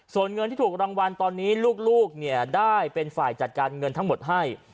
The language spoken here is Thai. ส่วนเงินที่ถูกรางวัลตอนนี้ลูกได้เป็นฝ่ายจัดการเงินทั้งหมดให้